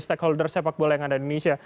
stakeholder sepak bola yang ada di indonesia